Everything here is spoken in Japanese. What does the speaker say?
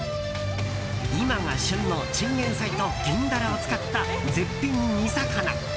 今が旬のチンゲンサイと銀ダラを使った絶品煮魚。